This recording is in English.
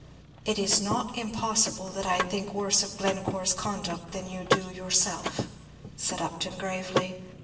"It is not impossible that I think worse of Glencore's conduct than you do yourself," said Upton, gravely.